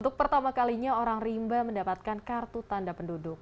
untuk pertama kalinya orang rimba mendapatkan kartu tanda penduduk